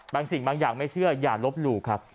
บางสิ่งบางอย่างไม่เชื่ออย่าลบลูก